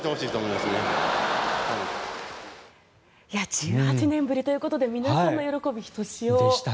１８年ぶりということで皆さんの喜びはひとしおでした。